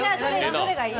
どれがいい？